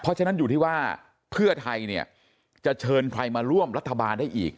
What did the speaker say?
เพราะฉะนั้นอยู่ที่ว่าเพื่อไทยจะเชิญใครมาร่วมรัฐบาลได้อีก